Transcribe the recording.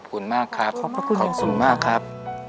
ขอบคุณมากครับขอบพระคุณอย่างสุดครับขอบคุณมากครับ